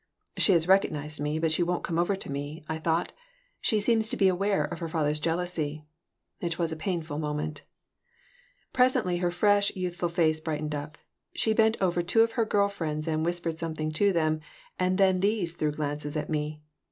"She has recognized me, but she won't come over to me," I thought. "She seems to be aware of her father's jealousy." It was a painful moment Presently her fresh, youthful face brightened up. She bent over to two of her girl friends and whispered something to them, and then these threw glances at me.